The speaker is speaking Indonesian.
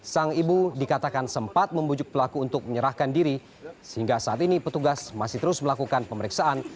sang ibu dikatakan sempat membujuk pelaku untuk menyerahkan diri sehingga saat ini petugas masih terus melakukan pemeriksaan